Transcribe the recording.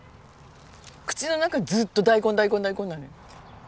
口の中ずっと大根大根大根なのよ。